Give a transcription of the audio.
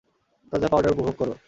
তাজা পাউডার উপভোগ করো।